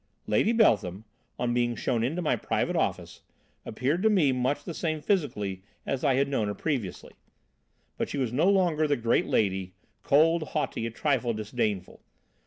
"Lady Beltham, on being shown into my private office, appeared to me much the same physically as I had known her previously, but she was no longer the great lady, cold, haughty, a trifle disdainful.